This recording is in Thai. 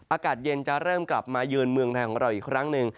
อากาศเย็นจะเริ่มกลับมาเยือนเมืองไทยของเราอีกครั้งหนึ่ง